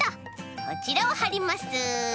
こちらをはります。